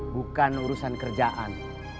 bukan urusan kerjaan